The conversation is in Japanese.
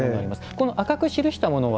この赤く記したものは。